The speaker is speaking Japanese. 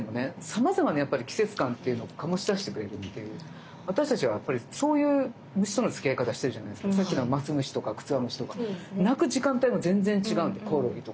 さまざまな季節感っていうのを醸し出してくれるっていう私たちはやっぱりそういう虫とのつきあい方してるじゃないですかさっきのまつ虫とかくつわむしとか鳴く時間帯も全然違うんでこおろぎとか出てくる時間。